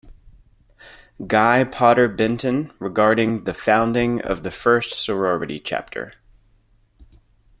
Guy Potter Benton regarding the founding of the first sorority chapter.